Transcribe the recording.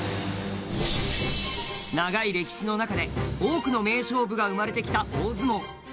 長い歴史の中で多くの名勝負が生まれてきた大相撲。